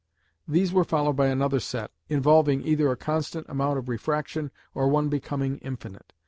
These were followed by another set, involving either a constant amount of refraction or one becoming infinite.